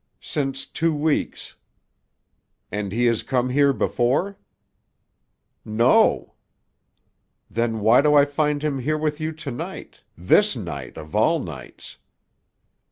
"Since two weeks." "And he has come here before?" "No." "Then why do I find him here with you to night: this night of all nights?"